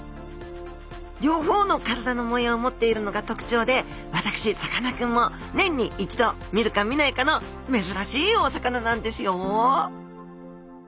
両方の体の模様を持っているのがとくちょうで私さかなクンも年に一度見るか見ないかのめずらしいお魚なんですよ